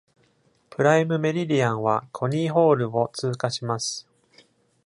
プライム・メリディアンはコニーホールを通過します。